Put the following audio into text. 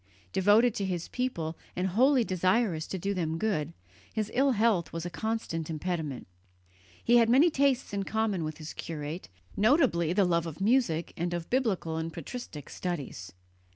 Devoted to his people and wholly desirous to do them good, his ill health was a constant impediment. He had many tastes in common with his curate, notably the love of music and of biblical and patristic studies.